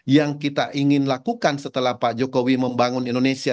yang kita ingin lakukan setelah pak jokowi membangun indonesia